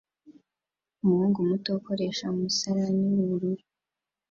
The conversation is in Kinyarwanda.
Umuhungu muto ukoresha umusarani w'ubururu